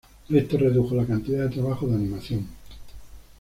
Esto redujo la cantidad de trabajo de animación.